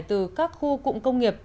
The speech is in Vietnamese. từ các khu cụm công nghiệp